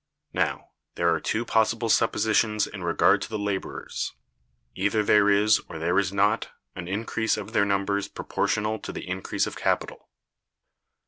Now, there are two possible suppositions in regard to the laborers: either there is, or there is not, an increase of their numbers proportional to the increase of capital.